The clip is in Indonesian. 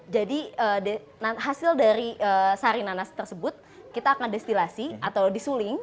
jadi hasil dari sari nanas tersebut kita akan destilasi atau disuling